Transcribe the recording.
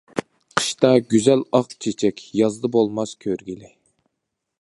قىشتا گۈزەل ئاق چېچەك، يازدا بولماس كۆرگىلى.